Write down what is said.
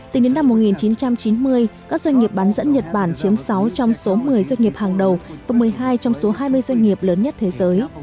từ những năm một nghìn chín trăm chín mươi các doanh nghiệp bán dẫn nhật bản chiếm sáu trong số một mươi doanh nghiệp hàng đầu và một mươi hai trong số hai mươi doanh nghiệp lớn nhất thế giới